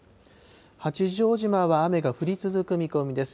八丈島は雨が降り続く見込みです。